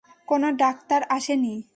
কোনো ডাক্তার আসেনি।